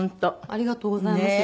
ありがとうございます。